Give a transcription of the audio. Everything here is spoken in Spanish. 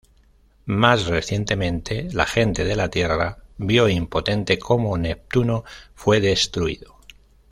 Más recientemente, la gente de la Tierra vio impotente cómo Neptuno fue destruido.